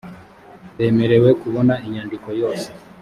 bemerewe kubona inyandiko yose